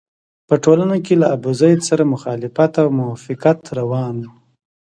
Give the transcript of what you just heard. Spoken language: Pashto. په ټولنه کې له ابوزید سره مخالفت او موافقت روان وو.